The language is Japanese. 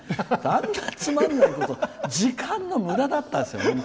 あんな、つまんないこと時間のむだだったですよね。